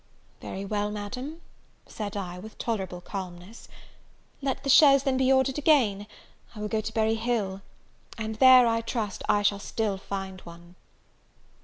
"Very well, Madam," said I, with tolerable calmness, "let the chaise then be ordered again; I will go to Berry Hill; and there, I trust, I shall still find one!"